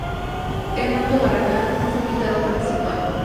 Hernando Barragán no fue invitado a participar.